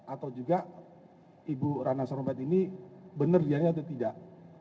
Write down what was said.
atau juga ibu rana sarumpayat ini benar dianiaya atau tidak